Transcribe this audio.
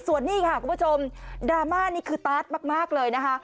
ส่วนนี้ค่ะคุณผู้ชมดราม่านี่คือตาร์ทมากเลยนะคะ